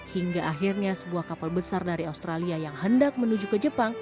hingga akhirnya sebuah kapal besar dari australia yang hendak menuju ke jepang